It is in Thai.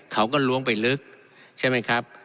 เขาก็ล้วงไปลึกใช่ไหมครับ